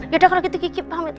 yaudah kalau gitu kiki pamit